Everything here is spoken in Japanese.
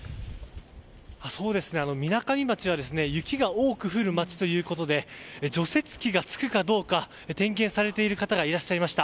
みなかみ町は雪が多く降る町ということで除雪機がつくかどうか点検されている方がいらっしゃいました。